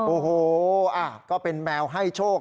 โอ้โหก็เป็นแมวให้โชค